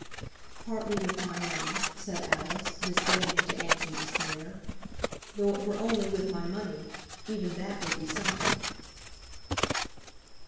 "Partly with my money," said Alice, disdaining to answer the sneer. "Though it were only with my money, even that would be something."